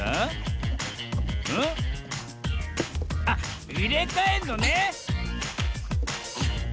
あっいれかえんのね！